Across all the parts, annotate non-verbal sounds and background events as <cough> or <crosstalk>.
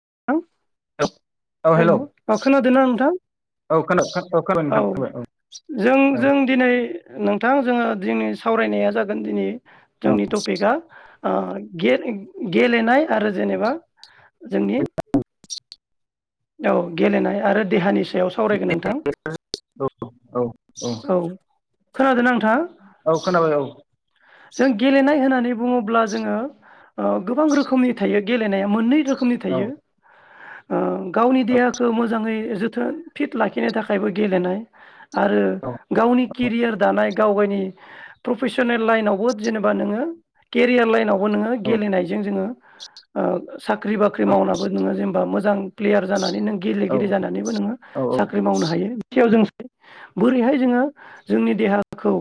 <unintelligible> <unintelligible> हेल hello अ खोनादोंना नोंथां औ खोना खोनाबाय औ नोंथां खोनाबाय जों औ जों दिनै नोंथां जोङो दिनि सावरायनाया जागोन दिनि जोंनि टपिकआ ओ गे-गेलेनाय आरो जेनेबा जोंनि औ गेलेनाय आरो देहानि सायाव सावरायगोन नोंथां औ औ औ खोनादों नोंथाङा औ खोनाबाय औ जों गेलेनाय होननानै बुङोब्ला जोङो ओ गोबां रोखोमनि थायो गेलेनाया मोननै रोख खोमनि औ थायो ओ गावनि देहाखौ मोजाङै जोथोन फिट लाखिनो थाखायबो गेलेनाय आरो औ गावनि केरियार दानाय गावनि प्रफेसनेल लाइनावबो जेनेबा नोङो केरियार लाइनाव बो नोङो गेलेनायजों जोङो साख्रि बाख्रि मावनाबो नोङो जेनेबा मोजां प्लेयार जानानै नों गेलेगिरि जानानैबो नोङो औ साख्रि मावनो हायो । जों बोरैहाय जोङो जोंनि देहाखौ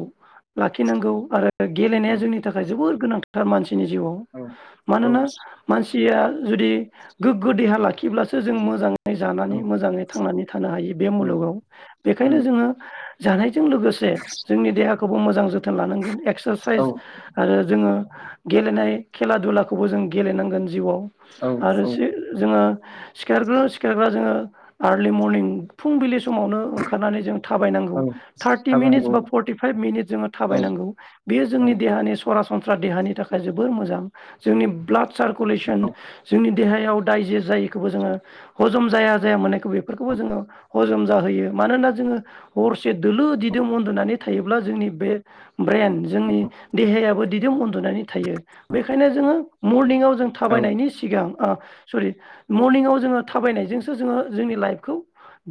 लाखिनांगौ आरो गेलेनाया जोंनि थाखाय जोबोर गोनां । थार मानसि नि जिउआव औ मानोना मानसि थिया जुदि गोग्गो देहा लाखिब्लास सो जों मोजां जानानै औ मोजाङै थांनानै थानो हायो बे औ मुलुगाव उम बेखायनो जोङो जानाय । जों लोगोसे जोंनि देहाखौबो मोजां जोथोन लानांगोन औ एक्सारसाइस आरो जोङो गेलेनाय खेला दुलाखौबो जों गेलेनांगोन जिउआव औ औ आरोसो जोङो सिखारग्रो सिखारग्रा जोङो आरलि मरनिं फुंबिलि समावनो ओंखारनानै जों थाबायनांगौ औ थार्टि थाबाय मिनिटस नंगौ बा फर्टिफाइभ मिनिटस जोङो औ थाबायनांगौ बेयो औ जोंनि देहानि सरासनस्रा देहानि थाखाय जोबोर मोजां जोंनि ब्लाड सारकुलेसन जोंनि देहायाव दायजेस जायो । खोबो जोङो हजम जाया जाया मोननायखौ बेफोरखौबो जोङो हजम जाहोयो मानोना जोङो हरसे दोलो दिदोम उन्दुनानै थायोब्ला जोंनि बे ब्रेन जोंनि देहायाबो दिदोम उन्दुनानै थायो बेखायनो जोङो मर्निंआव जों औ थाबायनायनि सिगां अ सरि मर्निंआव जोङो थाबायनायजोंसो जोङो जोंनि लाइफखौ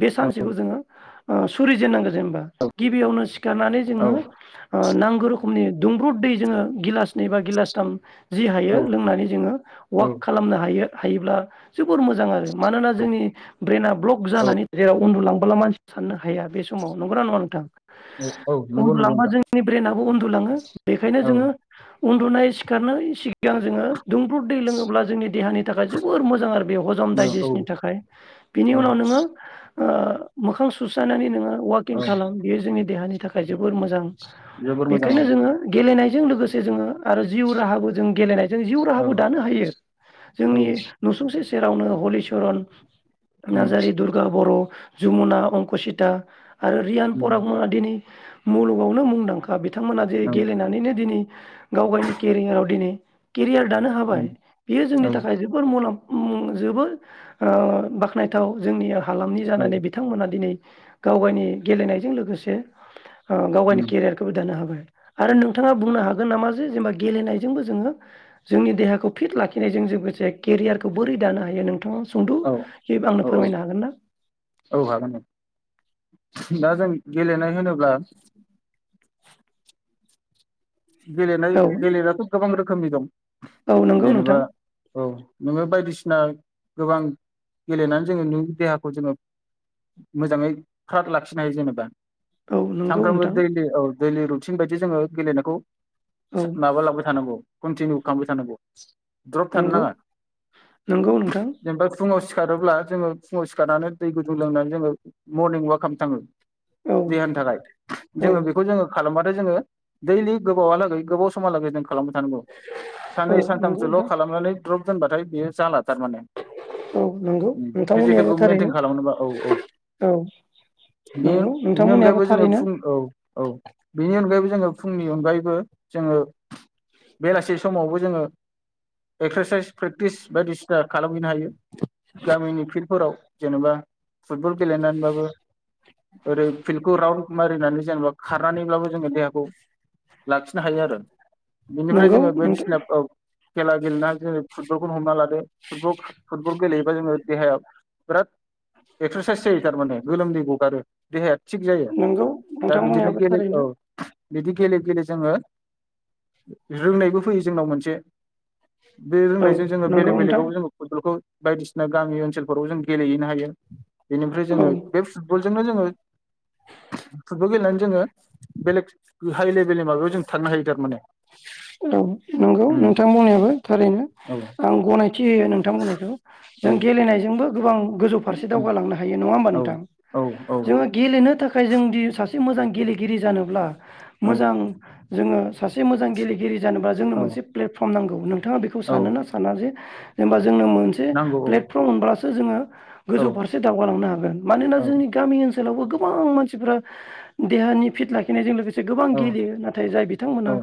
बे औ सानसेखौ जोङो ओ सुरि जेनांगोन। जेनबा औ गिबियावनो सिखारनानै जोङो ओ नांगौ रोखमनि दुंब्रुद दै जोङो गिलास नै बा गिलासथाम जि औ हायो लोंनानै जोङो वाक खालामनो हायो। हायोब्ला जोबोर मोजां आरो मानोना जोंनि ब्रेना ब्लक औ जानानै जेराव उन्दुलां <unintelligible> सानो हाया बे समाव नंगौना नङा नोंथां औ नंगौ नंगौ न्दुलांबा नोंथां जोंनि ब्रेनाबो उन दुलाङो। बेखायनो औ जोङो उन्दुनाय सिखारनोय सिग गां जोङो दुंब्रुद दै लोङोब्ला जोंनि देहानि थाखाय जोबोर मोजां आरो। बे हजम औ दाइजेस्टनि थाखाय बिनि औ उनाव नोङो ओ मोखां सुस्रानानै नोङो औ अवाकिं खालाम बेयो जोंनि देहानि थाखाय जोबोर मोजां जोबोर मोजां औ बेखायनो जोङो गेलेनाय जों लोगोसे जोङो आरो जिउ राहाबो जों गेलेनाय जों जिउ औ राहाबो दानो हायो औ जोंनि नुसुंसे सेरावनो हलिचरन उम नार्जारि दुरगा बर' जमुना अंकसिता आरो रियान उम पराग मोनहा दिनै मुलुगावनो मुंदांखा बिद बिथांमोना जेरै औ गेलेनानैनो दिनै गाव गायनि केरियाराव दिनै केरियार दानो हाबाय उम बियो जोंनि औ थाखाय जोबोर मुलाम्फ उम जोबोद ओ बाख्नायथाव जोंनिया हालामनि औ जानानै बिथांमोना दिनै गाव गायनि गेलेनायजों लोगोसे ओ- गाव गायनि उम केरियारखौबो दानो हाबाय। आरो नोंथाङा बुंनो हागोन नामा जे जेनेबा गेलेनायजोंबो जोङो जोंनि देहाखौ फिट लाखिनायजों जोंबो जायख बोरै दानो हायो नोंथाङा सुंद' औ बाबो आंनो औ फोरमायनो हागोन ना? औ हागोन औ दा जों गेलेनाय होनोब्ला। गेलेनाय औ गेलेनायाथ' गोबा रोख खोमनि दं औ नंगौ जेनेबा नोंथां औ। नोङो बायदिसिना गोबां गेलेनानै जोङो नोंनि देहाखौ जोङो मोजाङै फ्राद लाखिनो हायो जेनेबा। औ नंगौ सानफ्रामबो नोंथां दैलि औ दैलि रुटिन बायद बि जोङो गेलेनायखौ। औ सा- माबा लाांबाय थानांगौ। कनटिनिउ खालामबाय थानांगौ। द्रप थानो नंगौ नाङा नंगौ नोंथां जेनबा फुङाव सि सिखारोब्ला जोङो फुङाव सिखारनानै दै गुदुं लोंनानै जोङो मरनिं अवाक खालामनो थाङो। औ देहानि थाखाय औ जोङो बेखौ जोङो। खालामबथाय जोङो दैलि । गोबावा लागै गोबाव समहा लागै नों। खालामबाय थानांगौ औ साननै नंगौ नोंथां सानथामसोल' खालामनानै। द्रब दोनबाथाय बेयो जाला। थारमाने औ नंगौ उम नोंथांमोननियाबो पिजिकेलखौ मेनटेन थारैनो खालामनोबा औ औ औ बे नंगौ बेनि नोंथांमोननियाबो अनगायैबो जोङो थारैनो फुं औ-औ बेनि अनगायैबो । जोङो फुंनि अनगायै। बो जोङो बेलासि समावबो जोङो एक्सारसाइस प्रेक्टिस बायदिसिना खालामहैनो हायो गामिनि फिल्डफोराव जेनेबा फुटबल गेलेनानैबाबो ओरै फिल्डखौ राउन्ड मारिनानै जेनेबा खारनानैब्लाबो जोङो देहाखौ। लाखिनो हायो आरो। बिनिफ्राय नंगौ जोङो नोंथां बायदिसिना औ। खेला गेलेनानै जोङो फुटबलखौनो हमना लादो फुटब फुटबल गेलेयोबा जोङो देहाया बिराद एक्सारसाइस जायो थारमाने गोलोमदै गगारो देहाया। थिग जायो नोंगौ नोंथां बुंनायाबो थारैनो। बेदि गेले गेले। जोङो रोंनायबो फैयो जोंनाव मोनसे। बे औ रोंनायजों जोङो नंगौ बेलेग नोंथां बेलेगाव जोङ फुटबलखौ। बायदिसिना गामि ओनसोलफोराव जों गेलेहैनो हायो। बेनिफ्राय जोङो औ बे फुटबलजोंनो जोङो। फुटबल गेलेनानै जोङो बेलेग हाइ लेभ बेले माबायाव जों थां हायो थारमाने। औ नंगौ उम नोंथां बुंनायाबो थारैनो औ आं गनायथि होयो नोंथां बुंनायखौ औ जों गेलेनायजोंबो। गोबां गोजौ फारसे दावगालांनो हायो। नङा होमबा औ नोंथां जोङो गेलेनो थाखाय फ्राय जों दि सा से मोजां गेलेगिरि जानोब्ला औ मोजां जोङो सासे मोजां गेलेगिरि जानोबा जोंनो औ मोनसे प्लेटफर्म नांगौ नोंथाङा बेखौ औ सानो ना साना जे जेनेबा जोंनो मोनसे नांगौ औ प्लेटफर्म मोनब्ला जोङो औ गोजौ फारसे दावगालांनो हागोन मानोना औ जोंनि गामि ओनसोल लावबो गोबां मानसिफोरा देहानि फिट लाखिनायजों लोगोसे गोबां औ गेलेयो नाथाय जाय औ बिथांमोनहा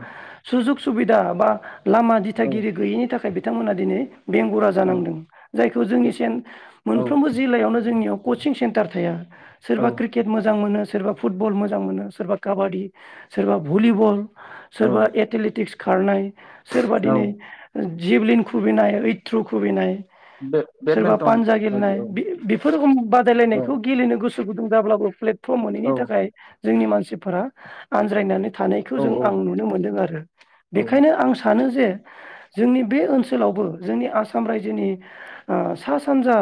सुजुग सुबिदा बा लामा औ दिथागिरि गैयिनि थाखाय बि थांमोना दिनै बेंगुरा जानांदों जायखौ जोंनि सेन मोनफ्रोमबो जिल्लायावनो जोंनियाव कचिं सेन्टार थाया। औ सोरबा क्रिकेट मोजां मोनो। सोरबा फुटबल मोजां मोनो सोरबा काबादि सोरबा भलिबल। औ सोरबा एथलेटिक्स। खारनाय सोरबा औ दिनै जिबलिन खुबैनाय थ्र' खुबैनाय बे सोरबा बेडमिन्टन पानजा बायदि गेलेनाय औ बे-बेफोर रोखोम औ बादायलायनायखौ गेलेनो गोसो गुदुं जाब्लाबो प्ले थ मोनैनि औ थाखाय जोंनि मान सिफोरा आनज्रायनानै थानायखौ औ जों आं नु नो मोनदों आरो औ बेखायनो आं सा नो जे जोंनि बे ओनसोलावबो जोंनि आसाम रायजोनि अ सा सानजा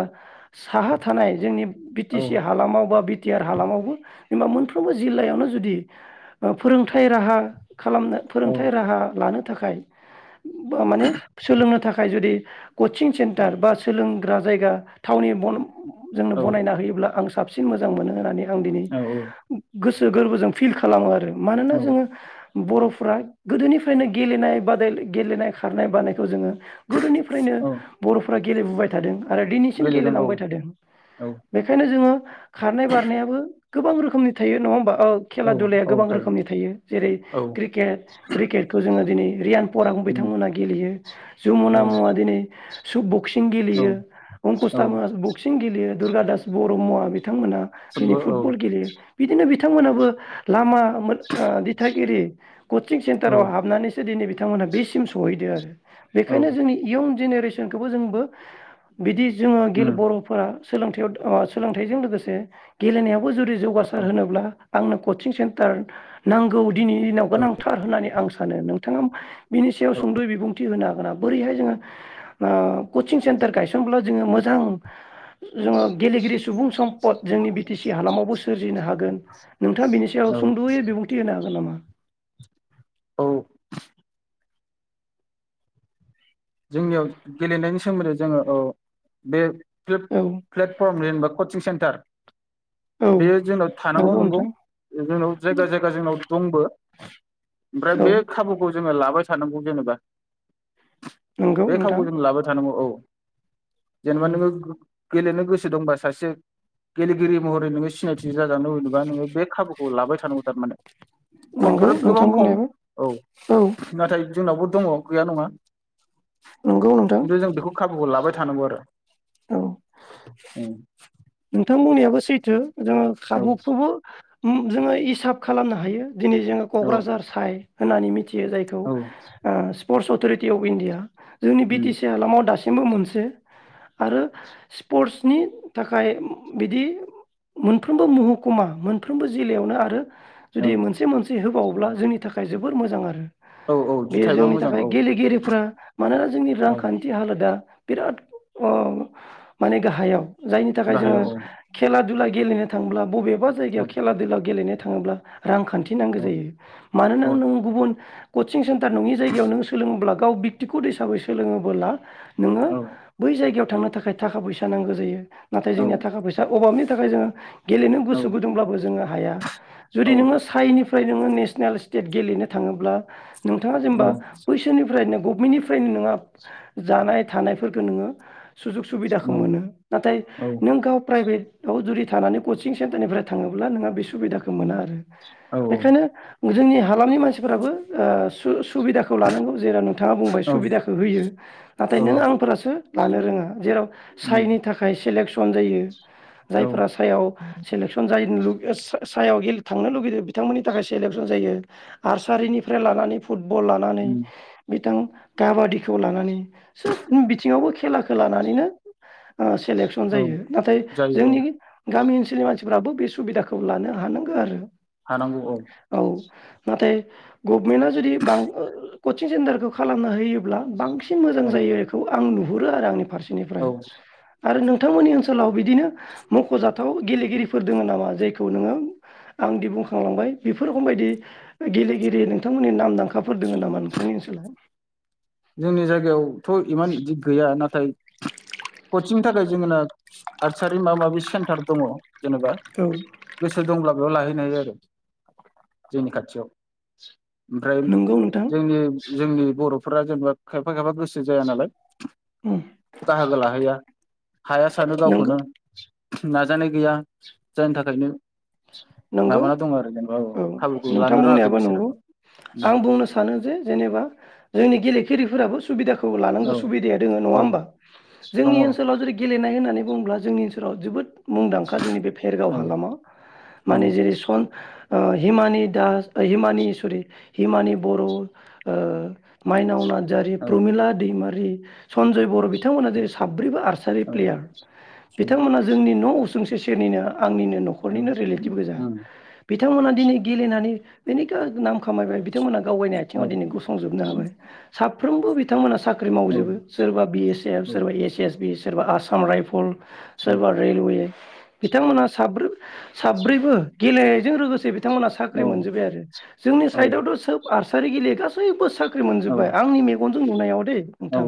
साहा थानाय जोंनि बि टि औ सि हालामाव बा बि टि आर हालामावबो जेनेबा मोनफ्रोमबो जिल्लायावनो जुदि फोरोंथाइ राहा खालामनो औ फोरोंथाइ राहा लानो थाखाय माने सोलोंनो थाखाय जुदि कचिं सेन्टार बा सोलोंग्रा जायगा थावनि बन जोंनो औ बनायना होयोब्ला आं साब सिन मोजां मोन होननानै आं दिनै औ गोसो गोरबोजों फिल खालामो आरो। मानोना औ जोङो बर'फ्रा गोदोनिफ्रायनो गेलेनाय बादायलाय गेलेनाय खारनाय बानायखौ जोङो गोदोनिफ्रायनो औ बर'फोरा गेलेबोबाय थादों आरो दिनैसिम गेलेदों औ गेलेलांबाय थादों औ बेखायनो जोङो खारनाय बारनायाबो गोबां रोखोमनि थायो नङा होमबा? औ खेला दुलाया गोबां रोखोमनि थायो जेरै औ खे क्रिकेटखौ जोङो दिनै रियान परां उम बिथांमोनहा गेलेयो जुमुना औ मुवा दिनै सु बुक बक्सिं औ गेलेयो औ अंकुसथा मोना बक्सिं गेलेयो दुरा दास बर' मुङा थांमोना दिनै फुटबल गेलेयो बिदिनो बिथांमोनाबो लामा ओ मो ओ दिथागिरि कचिं औ सेन्टाराव हाबनानैसो दिनै बिथांमोनहा बेसिम सहैदो बेनिखायनो जोंनि इयुन जेनेरेसनखौबो जोंबो बिदि जोङो गेले उम बर'फोरा सोलोंथायाव ओ सोलों हाइजों लोगोसे गेलेनायावबो जुदि जौगासार होनोब्ला आंनो कचिं सेन्टार नांगौ दिनि औ गोनांथार होननानै आं सा मानो नोंथाङा बिनि सायाव सुंद'यै बिबुंथि होना बोरैहाय जोङो ओ कचिं सेन्टार गायसनब्ला जोङो मोजां जोङो गेलेगिरि सुबुं सम्पद जोंनि बि टि सि हालामावबो सोरजिनो हागोन नोंथाङा बिनि सायाव औ सुंद'यै बिबुंथि होनो हागोन नामा? औ जोंनियाव गेलेनायनि सोमोन्दै जोङो औ बे प्लेट औ प्लेटफर्म <unintelligible> कचिं सेन्ट तार। बेयो औ जोंनाव थानांगौ नंगौ जोंनाव जायगा जायगा जोंनाव दंबो ओमफ्राय औ बे खाबुखौ जोङो लाबाय। सानांगौ जेनेबा। नंगौ बे नोंथां खावखौ जों लाबाय थानांगौ औ। जनेबा नोंङो गेलेनो गोसो दंबा सासे गेलेगिरि महरै नोङो सिनायथि जाजानो लुगैदोबा नोङो बे खाबुखौ लाबाय थानांगौ थारमाने। खम नंगौ बिराद गोबां नोंथां खम बुंनायाबो औ औ नाथाय जोंनावबो दङ गैया नङा। नंगौ नोंथां खिन्थु जों बेखौ खाबुखौ लाबाय। थानांगौ आरो। औ उम। नोंथां बुंनायाबो सैथो जोङो औ खाबुखौबो उम जोङो इसाब खालामनो हायो। दिनै जोङो औ क'क्राझार साइड होननानै मिथि यो जायखौ ओ sports authority city of India जोंनि बि टि सि हालामाव दासि मबो मोनसे आरो स्पर्टसनि था फ्राय बिदि मोनफ्रोमबो महकुमा मोनफ्रोमबो जिल्लायावनो आरो औ जुदि मोनसे मोनसे होबावो अब्ला जोंनि थाखाय जोबोर मोजां आरो। औ औ दि बे थाइबा जोंनि मोजां थाखाय औ गेलेगिरिफ्रा मानोना जोंनि औ रांखान्थि हालोदा बिराद अह माने गाहायाव जायनि जाय गाहायाव जोङो औ खेला दुला गेलेनो थांब्ला बबे बा जायगायाव खेला दुला गेलेनो थाङोब्ला रांखान्थि नांगौ औ जायो मानोना औ नों गुबुन कचिं सेन्टार नङि जायगायाव नों सोलोङोब्ला गाव बेक्तिगत हिसाबै सोलोङोबोला नोङो औ बै जायगायाव थांनो थाखाय थाखा फैसा नांगौ जायो। नाथाय औ जोंनिया थाखा फैसा अबाबनि थाखाय जोङो गेलेनो औ गोसो गुदुंब्लाबो जोङो हाया जुदि नोङो साइनि निफ्राय नोङो नेसनेल स्टेट गेलेनो थाङोब्ला नोंथाङा औ जेनेबा बैसोरनिफ्रायनो गभमेन्टनिफ्रायनो नोंहा जानाय थानायफोरखौ नोङो सुजुग सुबिदाखौ मोनो नाथाय नों गाव प्राइभेटआव जुदि थानानै कचिं सेन्टारनिफ्राय थाङोब्ला नोंहा बे सुबिदाखौ मोना आरो बेखायनो जोंनि हालामनि मानसिफोराबो ओ सु सु सुबिदाखौ लानांगौ जेराव नोंथाङा बुंबाय सुबिदाखौ होयो नाथाय औ नों आंफोरासो लानो रोङा जेराव साइनि थाखाय इलेकसन जायो औ जायफोरा सायाव सेलेकसन जायो सायाव थांनो लुुबैदों बिथांमोननि थाखाय सेलेकसन जायो नार्सारिनिफ्राय लानानै फुटबल लानानै बिथां काबादिखौ लानानै सोब बिथिङावबो खेलाखौ लानानैनो ओ सेलेकसन औ जायो नाथाय जायो औ जोंनि गामि ओनसोलनि मानसिफ्राबो बे सुबिदाखौ लानो हानांगौ आरो थानांगौ औ नाथाय गभमेन्टआ जुदि बां कचिं सेन्टारखौ खालामना होयोब्ला बां सिन मोजां औ जायो बेखौ आं नु हुरो आरो आंनि फारसे निफ्राय औ औ आरो नों नोंथांमोननि ओनसोलाव बिदिनो मख'जा जाथाव गेलेगिरिफोर दङ' नामा जायखौ नोङो आंदि बुंखांलांबाय बेफोर रोखोम बायदि गेलेगिरि नोंथांमोननि नामदांखाफोर दङ' नामा नोंथांनि ओनसोलाव? जोंनि जायगायावथ' इमान इदि गैया नाथाय कचिंनि थाखाय जोंना आर्सारि माबा माबि सेन्टार दङ'। जेनेबा औ गोसो दंब्ला बेयाव लाहै हैनो हायो आरो जोंनि खाथियाव। ओमफ्राय नंगौ नोंथां जोंनि जोंनि बर' फ्रा जेनेबा खायफा खायफा गोसो जाया नालाय उम बाहागो लाहैया हाया सानो नंगौ गावखौनो नाजानाय गैया जायनि थाखायनो नंगौ माबाना दङ आरो जेनेबा औ खाबुखौ नोंथां लानो रोङाखै बुंनायाबो बिसोरो नंगौ आं उम, बुंनो सानो जे जेनेबा जोंनि गेलेगिरिफोराबो सुबिदाखौ लानांगौ औ सुबिदाया दोङो नङा औ होनबा? दङ जोंनि औ ओनसोलाव जेरै गेलेनाय होननानै बुङोब्ला जोंनि ओनसोलाव जोबोद मुंदांखा जोंनि बे भेरगाव औ हालामा मानेजेसन ओ हिमानि दास ओ हिमानि सरि हिमानि बर' ओ माइनाव ना र्जारि, औ प्रमिला दैमा रि सनजय बर' बिथांमोना जेरै साब ब्रैबो आर्सारि औ प्लेयार। बिथांमोना जोंनि न' उसुंसे सेनिनो आंनिनो न'खरनिनो रिले टिभ गोजा उम बि थांमोना दिनै गेलेनानै जेनेखा नाम खामायबाय बिथांमोना दावगानाय औ आथिङाव दिनै गसंजोबनो हाबाय साब फ्रोमबो बिथांमोना साख ख्रि औ मावजोबो सोरबा बि एस एफ औ सोरबा एस एस बि सोरबा आसाम रायफल सोरबा रेलवे बिथांमोना साब्रैबो साब्रैबो गेलेनायजों लोगोसे बिथांमोनहा साख्रि मोनजोबबाय आरो जोंनि औ साइदआवथ' सोब आरस सारि गेले गासैबो साख ख्रि मोनजोबबाय आंनि मेगन जों नुनायाव दे औ नोंथां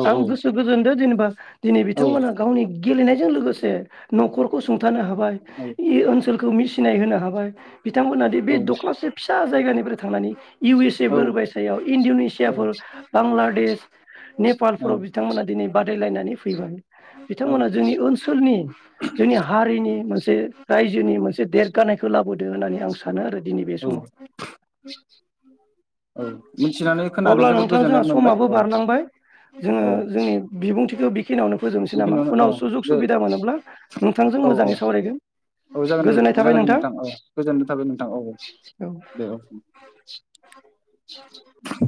औ आं औ गोसो गोजोनदो जेन बा दिनै औ बिथांमोनहा गावनि गेलेनायजों लोगोसे न'खरखौ सुंथानो हा बाय औ ओनसोलखौ मिसिनाय होनो हाबाय बिथांमोनादि बे औ दख्लासे फिसा जायगानिफ्राय थांनानै इउ एस ए औ <unintelligible> सायाव इणड'नेसियाफोर औ बांला देस औ नेपालफोराव बिथांमोना दिनै बाथ रायलायनानै फैबाय। बिथांमोना जोंनि ओनसोलनि जोंनि हारिनि मोनसे <unintelligible> रायजोनि मोनसे देरगानायखौ लाबोदो होननानै आं सानो आरो। दिनै बे समाव औ मिथिनानै खोनानो अब्ला जोबोद नोंथां गोजोननाय जोंहा मोनबाय समाबो औ बारलांबाय जोङो औ जोंनि बिबुंथिखौ बि खिनियावनो फोजोबनोसै नामा बेखिनियावनो औ उनाव सुजुग दे सुबिदा मोनोब्ला नोंथांजों औ औ मोजाङै सावरायगोन औ जागोन दे गोजोननाय थाबाय जागोन दे नोंथां औ गोजोननाय थाबाय नोंथां औ औ दे औ <inaudible>